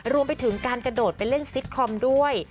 รวมไปถึงการกระโดดไปเล่นซิตคอมด้วย